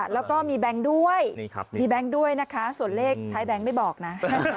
แล้วก็มีแบงค์ด้วยมีแบงค์ด้วยนะคะส่วนเลขท้ายแบงค์ไม่บอกนะ